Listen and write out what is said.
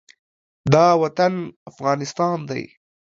دا وطن افغانستان دی.